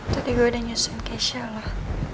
tadi gue udah nyusun keisha lah